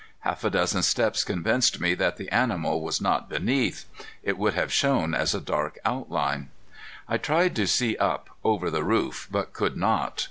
Half a dozen steps convinced me that the animal was not beneath. It would have shown as a dark outline. I tried to see up, over the roof, but could not.